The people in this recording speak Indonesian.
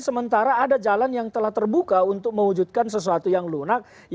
sementara ada jalan yang telah terbuka untuk mewujudkan sesuatu yang lunak